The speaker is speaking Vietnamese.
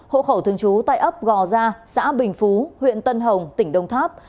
hộ khẩu thường trú tại ấp gò gia xã bình phú huyện tân hồng tỉnh đông tháp